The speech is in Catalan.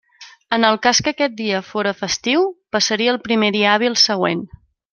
En el cas que aquest dia fóra festiu passaria al primer dia hàbil següent.